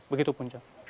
begitu pun jok